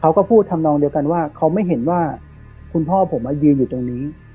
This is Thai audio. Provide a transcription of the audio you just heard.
เขาก็พูดทำนองเดียวกันว่าเขาไม่เห็นว่าคุณพ่อผมมายืนอยู่ตรงนี้